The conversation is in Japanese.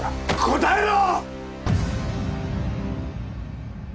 答えろ！